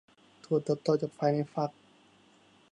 ถั่วเติบโตจากภายในฝัก